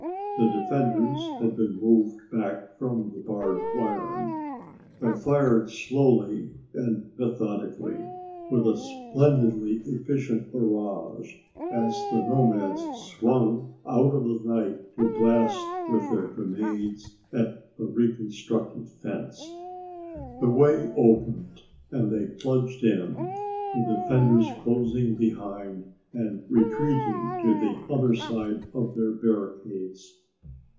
The defenders had been moved back from the barbed wire. They fired slowly and methodically with a splendidly efficient barrage as the nomads swung out of the night to blast with their grenades at the reconstructed fence. The way opened and they plunged in, the defenders closing behind and retreating to the other side of their barricades.